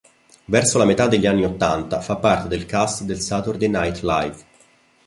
Verso la metà degli anni ottanta fa parte del cast del "Saturday Night Live".